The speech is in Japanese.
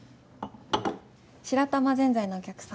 ・白玉ぜんざいのお客様。